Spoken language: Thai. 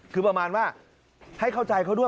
คือประมาณว่าให้เข้าใจเขาด้วย